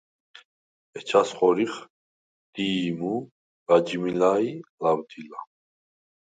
ეჩას ხორიხ: დი̄ჲმუ, ლაჯმილა ი ლავდილა.